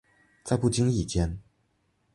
在不经意间